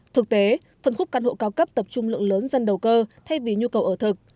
thực tế phân khúc căn hộ cao cấp tập trung lượng lớn dân đầu cơ thay vì nhu cầu ở thực